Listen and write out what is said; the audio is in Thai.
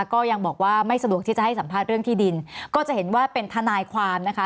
ก็ยังบอกว่าไม่สะดวกที่จะให้สัมภาษณ์เรื่องที่ดินก็จะเห็นว่าเป็นทนายความนะคะ